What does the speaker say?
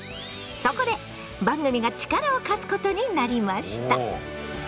そこで番組が力を貸すことになりました！